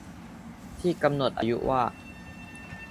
ที่กำหนดอายุว่า